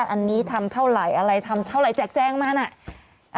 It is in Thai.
อันนี้ทำเท่าไหร่อะไรทำเท่าไหกแจงมานะ